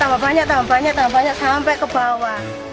tambah banyak tambah banyak tambah banyak sampai ke bawah